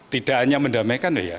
tidak hanya mendamaikan ya